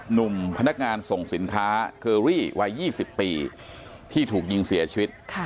หนุ่มพนักงานส่งสินค้าเคอรี่วัย๒๐ปีที่ถูกยิงเสียชีวิต